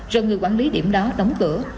rồi người quản lý điểm đó đóng cửa